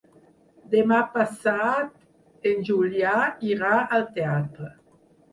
Demà passat en Julià irà al teatre.